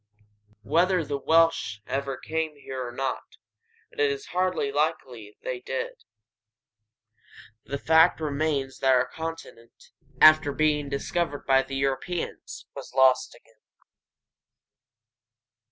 Whether the Welsh ever came here or not, and it is hardly likely they ever did, the fact remains that our continent, after being discovered by Europeans, was lost again.